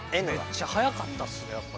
めっちゃ速かったっすねやっぱ玉。